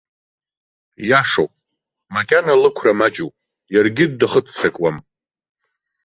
Иашоуп, макьана лықәра маҷуп, иаргьы дахыццакуам.